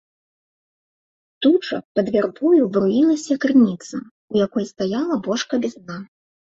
Тут жа пад вярбою бруілася крыніца, у якой стаяла бочка без дна.